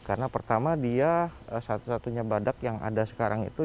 karena pertama dia satu satunya badak yang ada sekarang itu